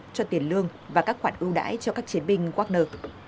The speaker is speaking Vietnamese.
cho tiền lương và các khoản ưu đãi cho các chiến binh wagner